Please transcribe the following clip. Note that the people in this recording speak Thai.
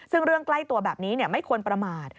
ซึ่งเรื่องใกล้ตัวแบบนี้ไม่ควรประมาท